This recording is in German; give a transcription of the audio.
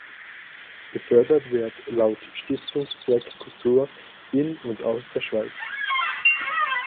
Gefördert wird laut Stiftungszweck Kultur in und aus der Schweiz.